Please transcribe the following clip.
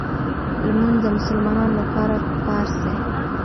لمونځ د مسلمانانو لپاره فرض دی.